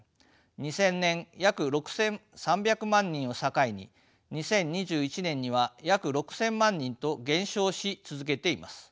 ２０００年約６，３００万人を境に２０２１年には約６，０００万人と減少し続けています。